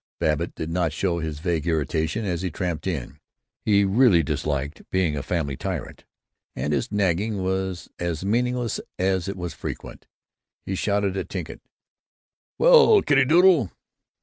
Babbitt did not show his vague irritation as he tramped in. He really disliked being a family tyrant, and his nagging was as meaningless as it was frequent. He shouted at Tinka, "Well, kittiedoolie!"